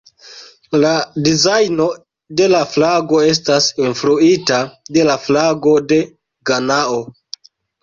La dizajno de la flago estas influita de la flago de Ganao.